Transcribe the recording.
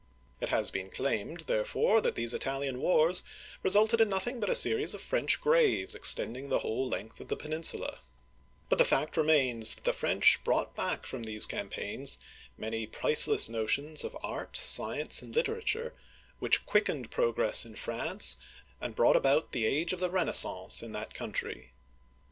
It has been claimed, therefore, that these Italian Wars resulted in nothing but a series of French graves, extending the whole length of the peninsula. But the fact remains that the French brought back from those campaigns mainy priceless 1 Story of the English, pp. 1 56 1 5 7, 232. , Digitized by' ioogle HENRY II. (1547 1559) 249 notions of art, science, and literature, which quickened progress in France, and brought about the Age of the Renaissance in that country.